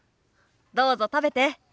どうぞ食べて。